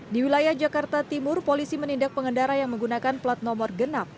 di wilayah jakarta timur polisi menindak pengendara yang menggunakan plat nomor genap